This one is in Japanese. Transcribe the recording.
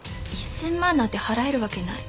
１０００万なんて払えるわけない。